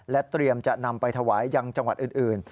เตรียมจะนำไปถวายยังจังหวัดอื่น